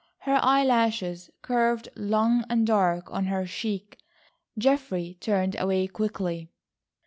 Her eye lashes curved long and dark on her cheek. Geoffrey turned away quickly.